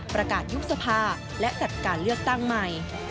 ประกาศยุบสภาและจัดการเลือกตั้งใหม่